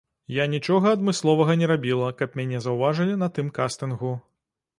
Я нічога адмысловага не рабіла, каб мяне заўважылі на тым кастынгу.